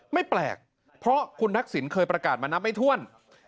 ไม่แปลกเพราะคุณทักษิณเคยประกาศมานับไม่ถ้วน